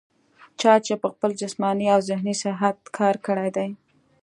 چا چې پۀ خپل جسماني او ذهني صحت کار کړے دے